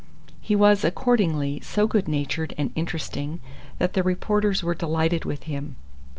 He was accordingly so good natured and interesting that the reporters were delighted with him.